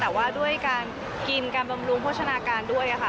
แต่ว่าด้วยการกินการบำรุงโภชนาการด้วยค่ะ